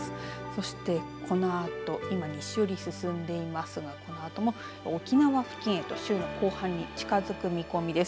そしてこのあと今、西寄り進んでいますがこの後も沖縄付近へと週の後半に近づく見込みです。